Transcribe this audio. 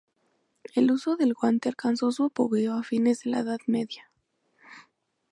El uso del guante alcanzó su apogeo a fines de la Edad Media.